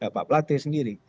pak platte sendiri